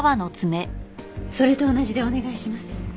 それと同じでお願いします。